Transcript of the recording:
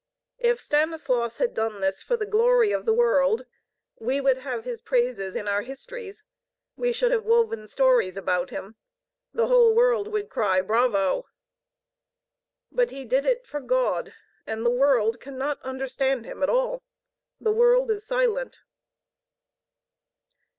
If Stanislaus had done this for the glory of the world, we should have his praises in our histories, we should have stories woven about him, the whole world would cry "Bravo!" But he did it for God, and the world cannot understand him at all: the world is silent.